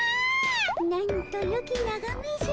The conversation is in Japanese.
なんとよきながめじゃ。